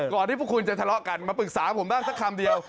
ที่พวกคุณจะทะเลาะกันมาปรึกษาผมบ้างสักคำเดียว